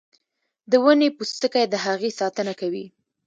د ونې پوستکی د هغې ساتنه کوي